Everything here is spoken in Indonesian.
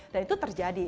dan itu terjadi